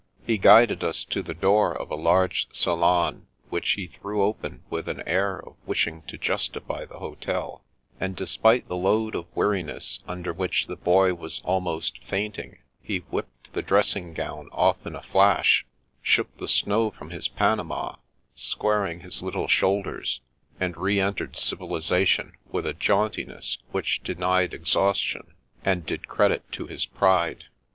He guided us to the door of a large salon, which he threw open with an air of wishing to justify the hotel ; and despite the load of weari ness under which the Boy was almost fainting, he whipped the dressing gown off in a flash, shook the snow from his panama, squaring his little shoulders, and re entered civilisation with a jauntiness which denied exhaustion and did credit to his pride.